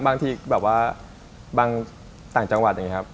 บางทีแบบว่าบางต่างจังหวัดอย่างนี้ครับ